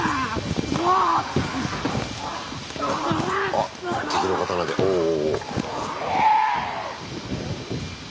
あっ敵の刀でおおお。